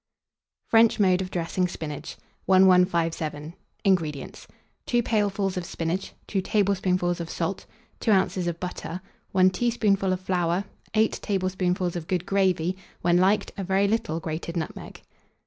FRENCH MODE OF DRESSING SPINACH. 1157. INGREDIENTS. 2 pailfuls of spinach, 2 tablespoonfuls of salt, 2 oz. of butter, 1 teaspoonful of flour, 8 tablespoonfuls of good gravy; when liked, a very little grated nutmeg.